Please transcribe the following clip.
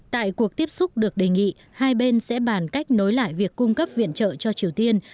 tại cuộc tiếp xúc được đề nghị hai bên sẽ bàn cách nối lại việc cung cấp viện trợ cho triều tiên